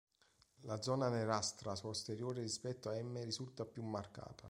La zona nerastra posteriore rispetto ad M risulta più marcata.